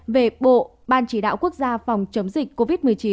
về bộ ban chỉ đạo quốc gia phòng chống dịch covid một mươi chín